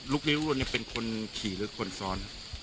ลูกนี้เป็นคนขี่หรือคนซ้อน